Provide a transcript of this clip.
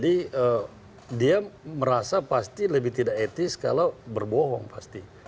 dia merasa pasti lebih tidak etis kalau berbohong pasti